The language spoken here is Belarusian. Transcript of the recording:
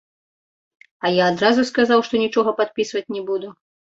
А я адразу сказаў, што нічога падпісваць не буду.